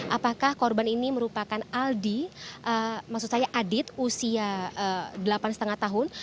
apakah korban ini merupakan aldi maksud saya adit usia delapan lima tahun